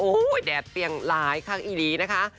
โอ้โหแดดเปียงหลายครั้งอีหลีนะคะ